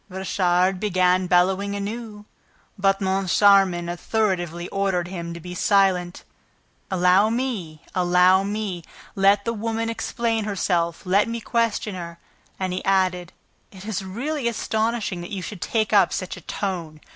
Richard began bellowing anew, but Moncharmin authoritatively ordered him to be silent. "Allow me! Allow me! Let the woman explain herself. Let me question her." And he added: "It is really astonishing that you should take up such a tone!